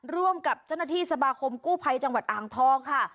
ร่วมกับเจ้าหน้าที่สมาคมกู้ภัยจังหวัดอ่างทองค่ะ